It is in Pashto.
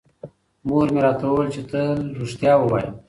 مور مې راته وویل چې تل رښتیا ووایم.